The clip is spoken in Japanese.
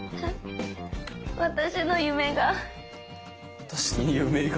私の夢が。